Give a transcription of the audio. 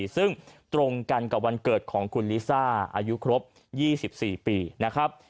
ซึ่งตรงกันกับวันเกิดของคุณลิซ่าอายุครบ๒๔ปีนะครับ